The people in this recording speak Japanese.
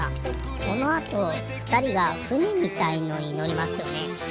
このあとふたりがふねみたいのにのりますよね。